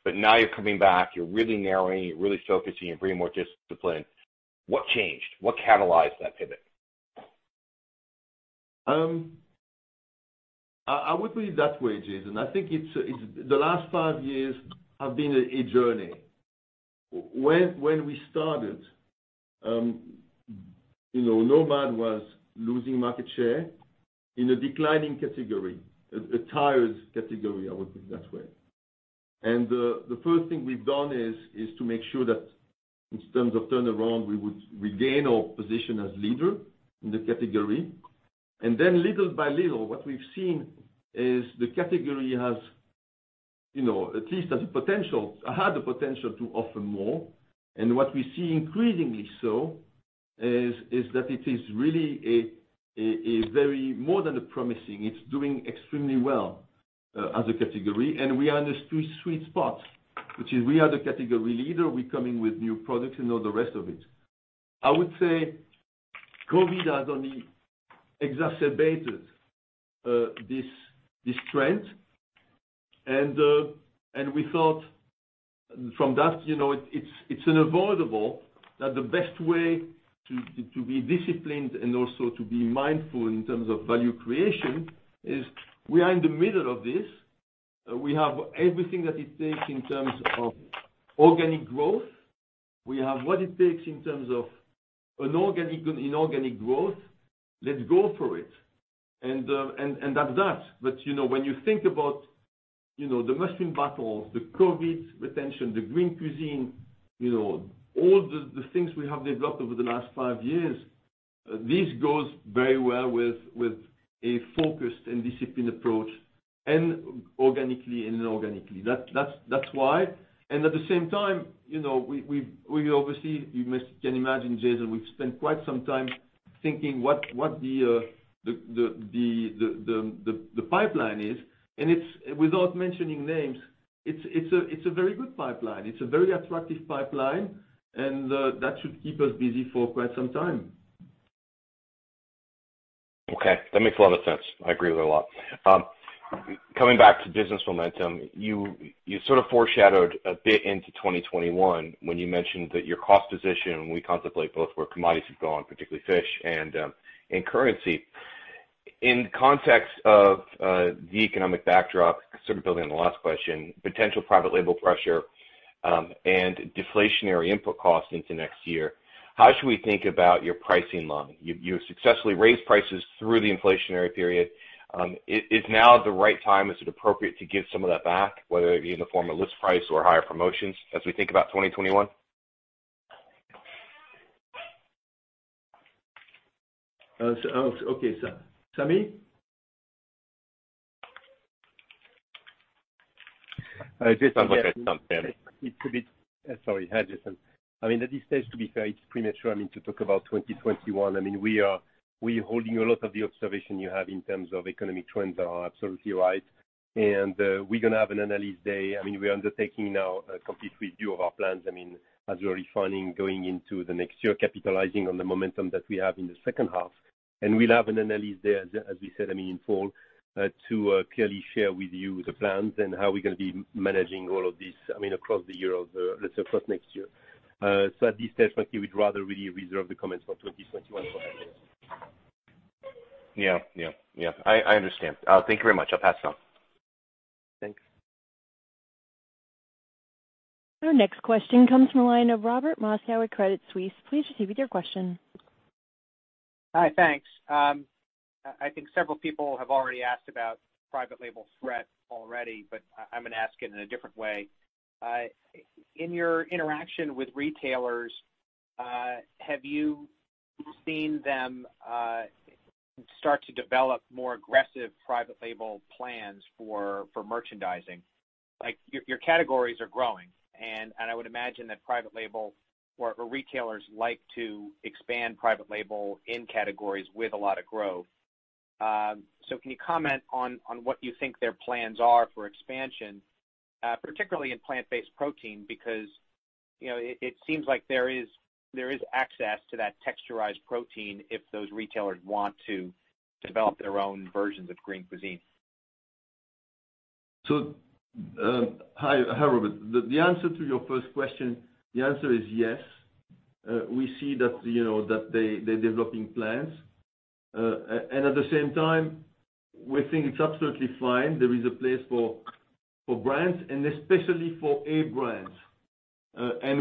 Now you're coming back, you're really narrowing, you're really focusing, you're bringing more discipline. What changed? What catalyzed that pivot? I would put it that way, Jason. I think the last five years have been a journey. When we started, Nomad was losing market share in a declining category, a tired category, I would put it that way. The first thing we've done is to make sure that in terms of turnaround, we would regain our position as leader in the category. Little by little, what we've seen is the category has, at least has the potential, had the potential to offer more. What we see increasingly so is that it is really a very more than a promising, it's doing extremely well as a category. We are in a sweet spot, which is we are the category leader. We're coming with new products and all the rest of it. I would say COVID has only exacerbated this trend. We thought from that, it's unavoidable that the best way to be disciplined and also to be mindful in terms of value creation is, we are in the middle of this. We have everything that it takes in terms of organic growth. We have what it takes in terms of inorganic growth. Let's go for it, and that's that. When you think about the (mushroom battles), the COVID retention, the Green Cuisine, all the things we have developed over the last five years, this goes very well with a focused and disciplined approach, and organically and inorganically. That's why, and at the same time, we obviously, you can imagine, Jason, we've spent quite some time thinking what the pipeline is, and without mentioning names, it's a very good pipeline. It's a very attractive pipeline, and that should keep us busy for quite some time. Okay, that makes a lot of sense I agree a lot. Coming back to business momentum, you sort of foreshadowed a bit into 2021 when you mentioned that your cost position, when we contemplate both where commodities have gone, particularly fish and currency. In context of the economic backdrop, sort of building on the last question, potential private label pressure, and deflationary input costs into next year, how should we think about your pricing model? You successfully raised prices through the inflationary period. Is now the right time? Is it appropriate to give some of that back, whether it be in the form of list price or higher promotions as we think about 2021? Okay. Samy? Jason, yes. I'll pass it on, Samy. Sorry. Hi, Jason. At this stage, to be fair, it's premature to talk about 2021. We're holding a lot of the observation you have in terms of economic trends are absolutely right. We're going to have an analyst day. We're undertaking now a complete review of our plans as we're refining going into the next year, capitalizing on the momentum that we have in the second half. We'll have an analyst day, as we said, in fall, to clearly share with you the plans and how we're going to be managing all of this across the year of the first next year. At this stage, frankly, we'd rather really reserve the comments for 2021 for that. Yeah I understand. Thank you very much. I'll pass it on. Thanks. Our next question comes from the line of Robert Moskow at Credit Suisse. Please proceed with your question. Hi, thanks. I think several people have already asked about private label threat already, but I'm going to ask it in a different way. In your interaction with retailers, have you seen them start to develop more aggressive private label plans for merchandising? Your categories are growing, and I would imagine that private label or retailers like to expand private label in categories with a lot of growth. Can you comment on what you think their plans are for expansion, particularly in plant-based protein? It seems like there is access to that texturized protein if those retailers want to develop their own versions of Green Cuisine. Hi, Robert. The answer to your first question, the answer is yes. We see that they're developing plans, and at the same time, we think it's absolutely fine. There is a place for brands, and especially for a brand.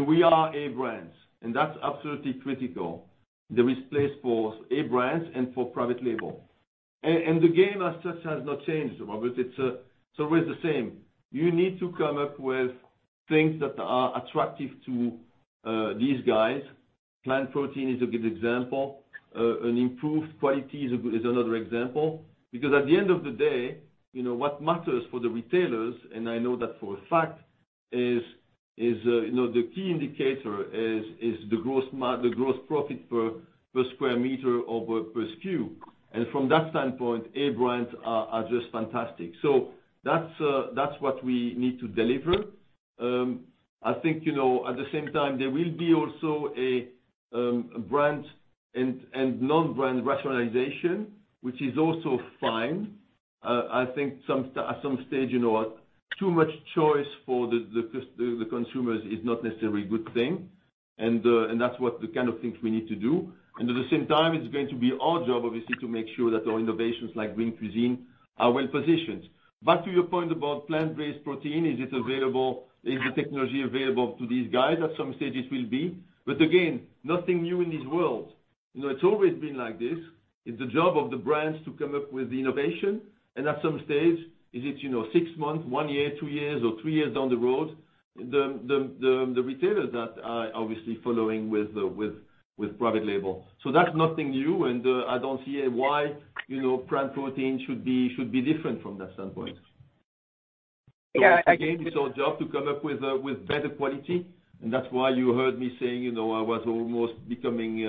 We are a brand, and that's absolutely critical. There is place for a brand and for private label. The game as such has not changed, Robert, it's always the same. You need to come up with things that are attractive to these guys. Plant protein is a good example. An improved quality is another example. Because at the end of the day, what matters for the retailers, and I know that for a fact, is the key indicator is the gross profit per square meter or per SKU. From that standpoint, A brands are just fantastic. That's what we need to deliver. I think, at the same time, there will be also a brand and non-brand rationalization, which is also fine. I think at some stage, too much choice for the consumers is not necessarily a good thing, and that's what the kind of things we need to do. At the same time, it's going to be our job, obviously, to make sure that our innovations like Green Cuisine are well positioned. Back to your point about plant-based protein, is it available? Is the technology available to these guys? At some stage it will be, but again, nothing new in this world. It's always been like this. It's the job of the brands to come up with the innovation, and at some stage, is it six months, one year, two years, or three years down the road, the retailers that are obviously following with private label. That's nothing new, and I don't see why plant protein should be different from that standpoint. Yeah. It's our job to come up with better quality, and that's why you heard me saying, I was almost becoming,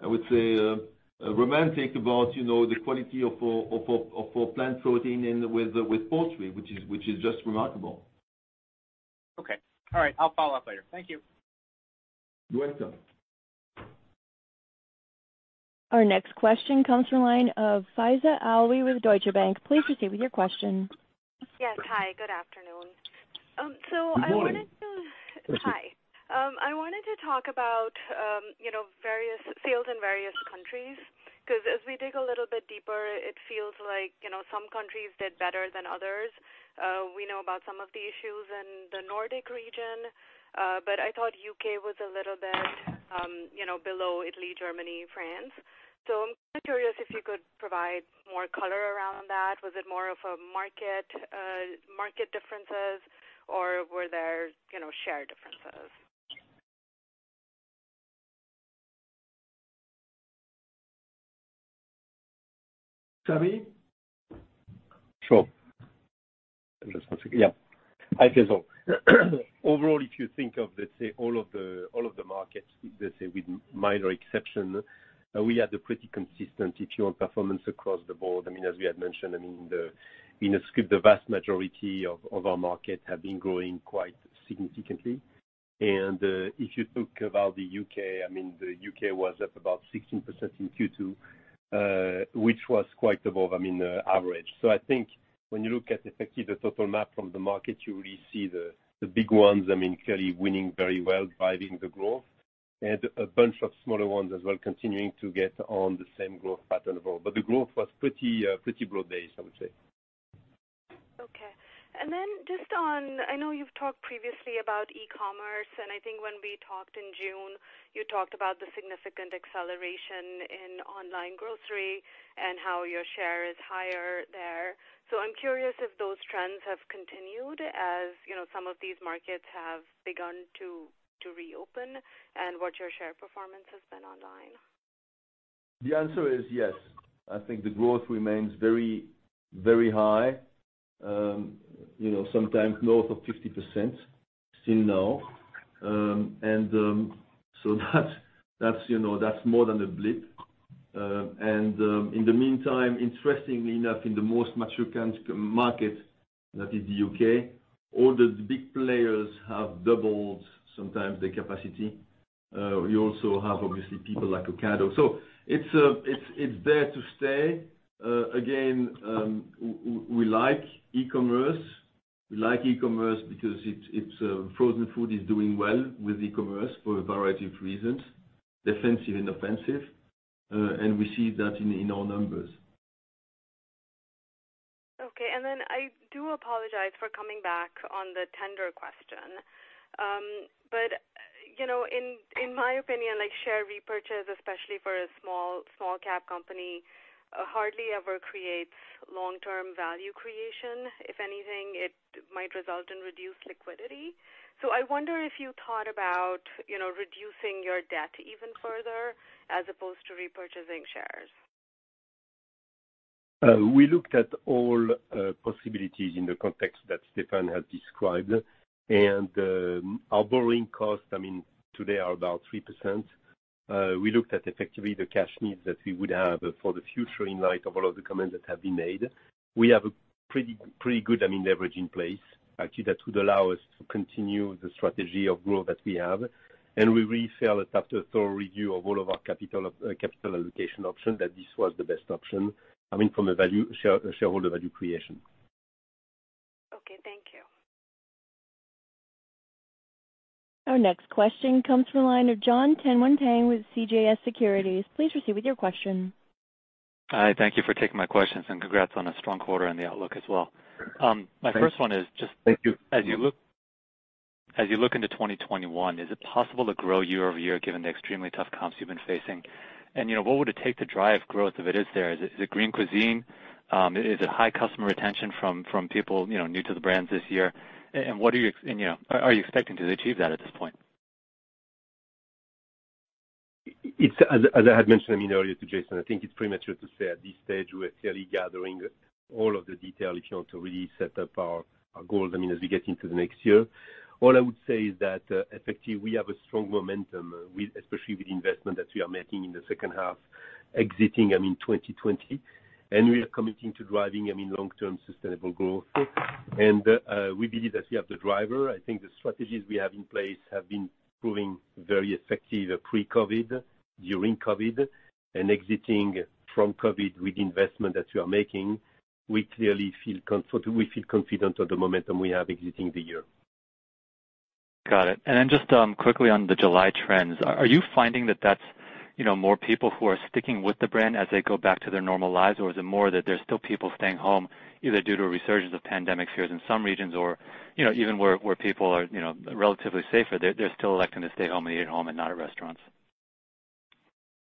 I would say, romantic about the quality of our plant protein and with poultry, which is just remarkable. Okay. All right, I'll follow up later. Thank you. You're welcome. Our next question comes from line of Faiza Alwi with Deutsche Bank. Please proceed with your question. Yes. Hi, good afternoon. Good morning. Hi. I wanted to talk about sales in various countries, because as we dig a little bit deeper, it feels like some countries did better than others. We know about some of the issues in the Nordic region, but I thought U.K. was a little bit below Italy, Germany, France. I'm curious if you could provide more color around that. Was it more of a market differences or were there share differences? Samy? Sure. Hi, Faiza. Overall, if you think of, let's say, all of the markets, let's say with minor exception, we had a pretty consistent, if you want, performance across the board. As we had mentioned, in the scope, the vast majority of our markets have been growing quite significantly. If you think about the U.K., the U.K. was up about 16% in Q2, which was quite above average. I think when you look at effectively the total map from the market, you really see the big ones clearly winning very well, driving the growth, and a bunch of smaller ones as well continuing to get on the same growth pattern as well. The growth was pretty broad-based, I would say. Okay. I know you've talked previously about e-commerce, and I think when we talked in June, you talked about the significant acceleration in online grocery and how your share is higher there. I'm curious if those trends have continued as some of these markets have begun to reopen, and what your share performance has been online. The answer is yes. I think the growth remains very high, sometimes north of 50% still now. That's more than a blip. In the meantime, interestingly enough, in the most mature market, that is the U.K., all the big players have doubled sometimes their capacity. We also have, obviously, people like Ocado. It's there to stay. We like e-commerce. We like e-commerce because frozen food is doing well with e-commerce for a variety of reasons, defensive and offensive, and we see that in our numbers. Okay. I do apologize for coming back on the tender question. In my opinion, share repurchase, especially for a small-cap company, hardly ever creates long-term value creation. If anything, it might result in reduced liquidity. I wonder if you thought about reducing your debt even further as opposed to repurchasing shares. We looked at all possibilities in the context that Stéfan has described. Our borrowing costs today are about 3%. We looked at effectively the cash needs that we would have for the future in light of all of the comments that have been made. We have a pretty good leverage in place, actually, that would allow us to continue the strategy of growth that we have. We really feel, after a thorough review of all of our capital allocation options, that this was the best option from a shareholder value creation. Okay, thank you. Our next question comes from the line of Jon Tanwanteng with CJS Securities. Please proceed with your question. Hi, thank you for taking my questions and congrats on a strong quarter and the outlook as well. Thanks. My first one is just- Thank you. As you look into 2021, is it possible to grow year-over-year given the extremely tough comps you've been facing? What would it take to drive growth if it is there? Is it Green Cuisine? Is it high customer retention from people new to the brands this year? Are you expecting to achieve that at this point? As I had mentioned earlier to Jason, I think it's premature to say at this stage. We're clearly gathering all of the detail, if you want, to really set up our goals as we get into the next year. All I would say is that effectively, we have a strong momentum, especially with the investment that we are making in the second half exiting 2020. We are committing to driving long-term sustainable growth. We believe that we have the driver. I think the strategies we have in place have been proving very effective pre-COVID, during COVID, and exiting from COVID with the investment that we are making. We clearly feel confident of the momentum we have exiting the year. Got it. Just quickly on the July trends, are you finding that that's more people who are sticking with the brand as they go back to their normal lives? Is it more that there's still people staying home, either due to a resurgence of pandemic fears in some regions or even where people are relatively safer, they're still electing to stay home and eat at home and not at restaurants?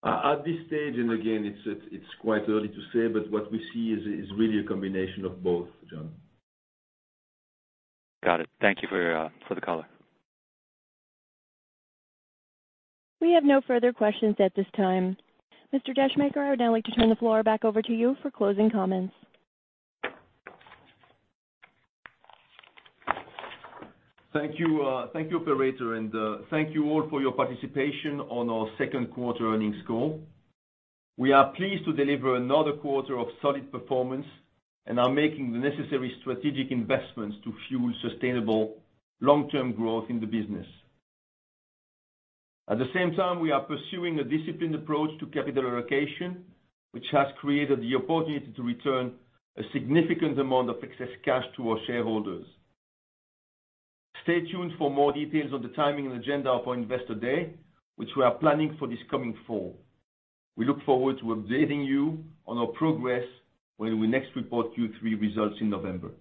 At this stage, and again, it's quite early to say, but what we see is really a combination of both, John. Got it. Thank you for the color. We have no further questions at this time. Mr. Descheemaeker, I would now like to turn the floor back over to you for closing comments. Thank you, operator, and thank you all for your participation on our second quarter earnings call. We are pleased to deliver another quarter of solid performance and are making the necessary strategic investments to fuel sustainable long-term growth in the business. At the same time, we are pursuing a disciplined approach to capital allocation, which has created the opportunity to return a significant amount of excess cash to our shareholders. Stay tuned for more details on the timing and agenda of our Investor Day, which we are planning for this coming fall. We look forward to updating you on our progress when we next report Q3 results in November.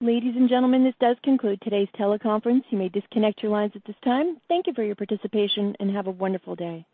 Ladies and gentlemen, this does conclude today's teleconference. You may disconnect your lines at this time. Thank you for your participation, and have a wonderful day.